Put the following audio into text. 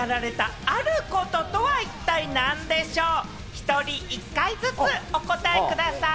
１人１回ずつお答えください。